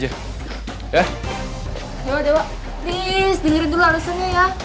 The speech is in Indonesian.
dewa dewa please dengerin dulu alasannya ya